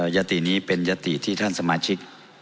ยตินี้เป็นยติที่ท่านสมาชิก